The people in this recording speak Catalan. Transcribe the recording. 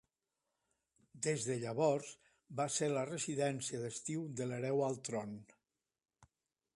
Des de llavors, va ser la residència d'estiu de l'hereu al tron.